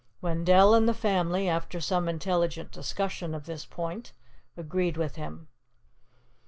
Wendell and the family, after some intelligent discussion of this point, agreed with him.